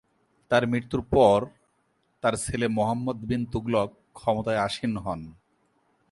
তার মৃত্যুর পর তার ছেলে মুহাম্মদ বিন তুগলক ক্ষমতায় আসীন হন।